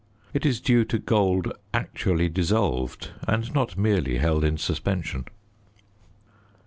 It is due to gold actually dissolved and not merely held in suspension.